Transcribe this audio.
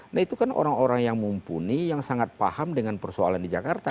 nah itu kan orang orang yang mumpuni yang sangat paham dengan persoalan di jakarta